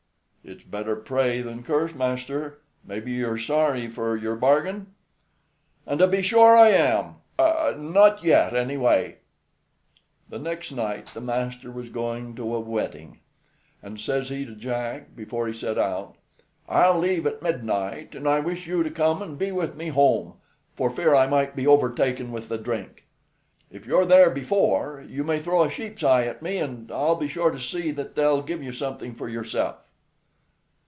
"It's better pray than curse, master. Maybe you're sorry for your bargain?" "And to be sure I am not yet, anyway." The next night the master was going to a wedding; and says he to Jack, before he set out: "I'll leave at midnight, and I wish you to come and be with me home, for fear I might be overtaken with the drink. If you're there before, you may throw a sheep's eye at me, and I'll be sure to see that they'll give you something for yourself."